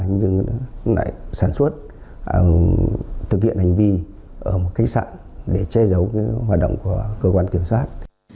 nhưng lại sản xuất thực hiện hành vi ở một cách sẵn để che giấu hoạt động của cơ quan tiểu sát